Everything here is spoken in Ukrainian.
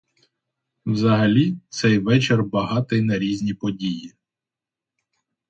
Взагалі, цей вечір багатий на різні події.